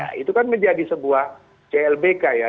nah itu kan menjadi sebuah clbk ya